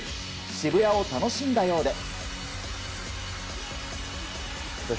渋谷を楽しんだようで。